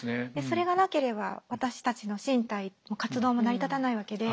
それがなければ私たちの身体も活動も成り立たないわけで。